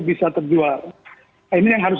bisa terjual ini yang harus